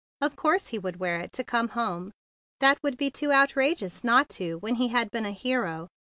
Of course he would wear it to come home; that would be too outrageous not to, when he had been a hero.